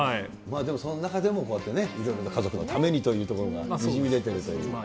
でも、その中でもこうやってね、いろいろと家族のためにというところがにじみ出ているという。